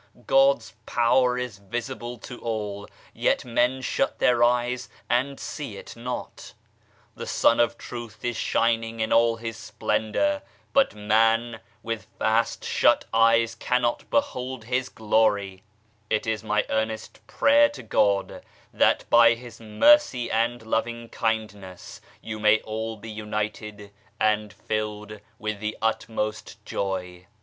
God's power is visible to all, yet men shut their eyes and see it not. The Sun of Truth is shining in all His splendour, but man with fast shut eyes cannot behold His glory I It is my earnest prayer to God that by His Mercy and Loving Kindness you may all be united, and filled with the utmost joy.